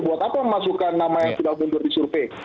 buat apa memasukkan nama yang sudah mundur di survei